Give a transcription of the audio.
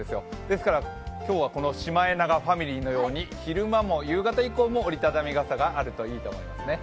ですから今日はシマエナガファミリーのように昼間も夕方以降も折り畳み傘があるといいと思いますね。